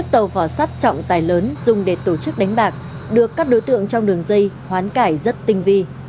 tàu vỏ sắt trọng tài lớn dùng để tổ chức đánh bạc được các đối tượng trong đường dây hoán cải rất tinh vi